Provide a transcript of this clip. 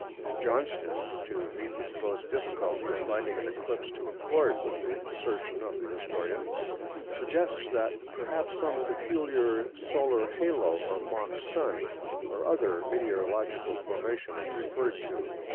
Johnston, to meet the supposed difficulty of finding an eclipse to accord with the assertion of the historian, suggests that "perhaps some peculiar solar halo or mock Sun, or other meteorological formation" is referred to.